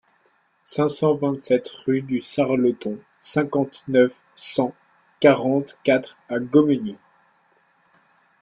cinq cent vingt-sept rue du Sarloton, cinquante-neuf, cent quarante-quatre à Gommegnies